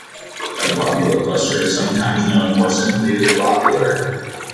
A globular cluster is sometimes known more simply as a "globular".